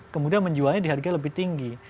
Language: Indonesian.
kemudian menjualnya di harga lebih tinggi